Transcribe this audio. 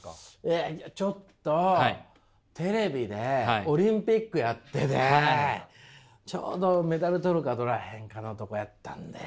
ちょっとテレビでオリンピックやっててちょうどメダル取るか取らへんかのとこやったんで。